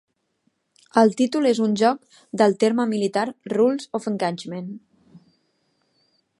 El títol és un joc del terme militar Rules of engagement.